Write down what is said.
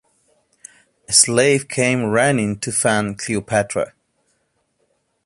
A slave came running to fan Cleopatra.